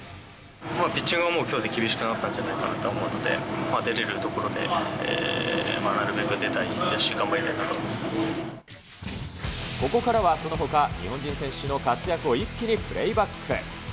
ピッチングはもうきょうで厳しくなったんじゃないかなと思うので、出れるところで、なるべく出たいですし、ここからはそのほか、日本人選手の活躍を一気にプレイバック。